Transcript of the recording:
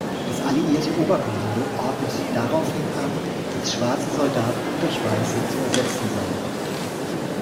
Das alliierte Oberkommando ordnete daraufhin an, dass schwarze Soldaten durch weiße zu ersetzen seien.